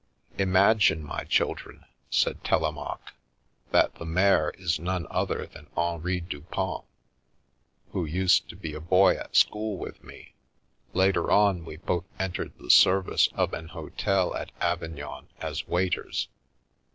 44 Imagine, my children," said Telemaque, " that the mayor is none other than Henri Dupont, who used to l>e a boy at school with me. Later on we both entered the service of an hotel at Avignon as waiters.